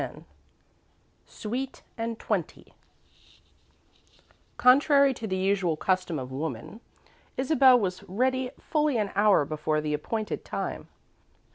X SWEET AND TWENTY Contrary to the usual custom of woman, Isabel was ready fully an hour before the appointed time.